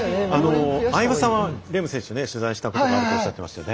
相葉さんはレーム選手、取材したことがあると言っていましたね。